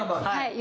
はい。